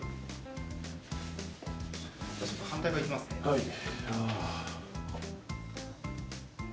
はい。